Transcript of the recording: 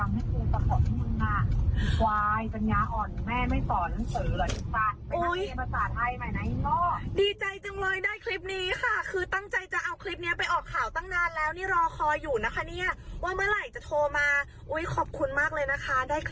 อ้าวก็รู้ได้ไงอะคะว่าไม่ใช่เชื่อจริงนามสกุลจริง